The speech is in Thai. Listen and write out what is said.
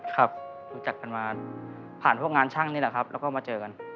ครับรู้จักกันมาผ่านพวกงานช่างนี่แหละครับแล้วก็มาเจอกัน